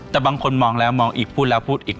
แต่บางคนมองแล้วมองอีกพูดแล้วพูดอีก